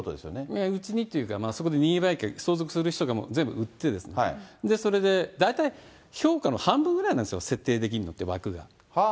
いや、うちにというか、そこで任意売却、相続する人が全部売って、それで、大体、評価の半分ぐらいなんですよ、設定できるのって枠が。